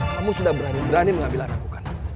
kamu sudah berani berani mengambil anak aku kan